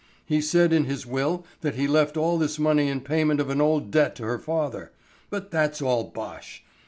He said in his will that he left all this money in payment of an old debt to her father, but that's all bosh.